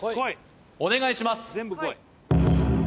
お願いします